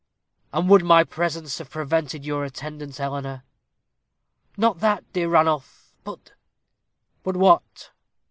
"And would my presence have prevented your attendance, Eleanor?" "Not that, dear Ranulph; but " "But what?"